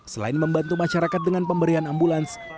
selain membantu masyarakat dengan pemberian ambulans